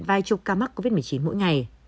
vài chục ca mắc covid một mươi chín mỗi ngày